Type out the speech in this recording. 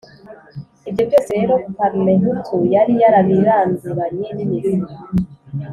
ibyo byose rero parmehutu yari yarabiranduranye n’imizi,